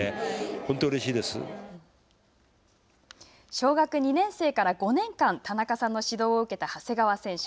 小学２年生から５年間田中さんの指導を受けた長谷川選手。